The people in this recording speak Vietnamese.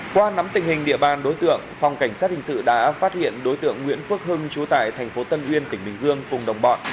qua nắm tình hình địa bàn đối tượng phòng cảnh sát hình sự đã phát hiện đối tượng nguyễn phước hưng trú tại tp tân uyên tp bình dương cùng đồng bọn